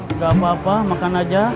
nggak apa apa makan aja